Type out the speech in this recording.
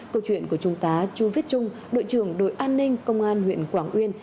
câu chuyện của chúng ta chu viết trung đội trưởng đội an ninh công an huyện quảng uyên